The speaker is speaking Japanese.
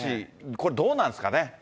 これ、どうなんですかね。